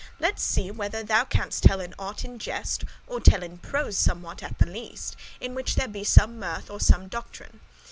Let see whether thou canst tellen aught *in gest,* *by way of Or tell in prose somewhat, at the least, narrative* In which there be some mirth or some doctrine."